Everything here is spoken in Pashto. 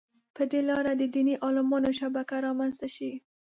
په دې لاره د دیني عالمانو شبکه رامنځته شي.